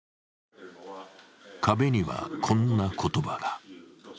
壁にはこんな言葉が。